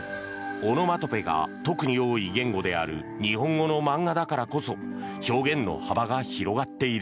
オノマトペが特に多い言語である日本語の漫画だからこそ表現の幅が広がっている。